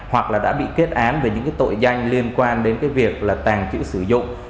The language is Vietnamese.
hoặc là đã bị kết án về những tội danh liên quan đến việc tàn trữ sử dụng